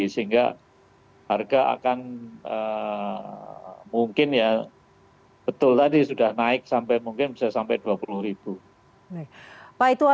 sehingga harga akan mungkin ya betul tadi sudah naik sampai mungkin bisa sampai dua puluh